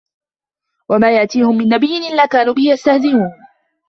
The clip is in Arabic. وَما يَأتيهِم مِن نَبِيٍّ إِلّا كانوا بِهِ يَستَهزِئونَ